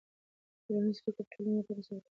ټولنیز فکر د ټولنې له تاریخ سره تړاو لري.